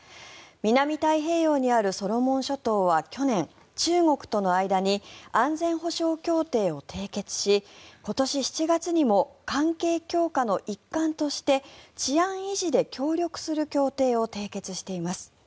南太平洋にあるソロモン諸島は去年、中国との間に安全保障協定を締結し今年７月にも関係強化の一環として治安維持で協力する協定を締結しています。